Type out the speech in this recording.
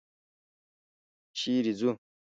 چېرې ځو؟